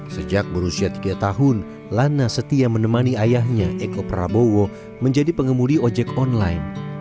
sejak berusia tiga tahun lana setia menemani ayahnya eko prabowo menjadi pengemudi ojek online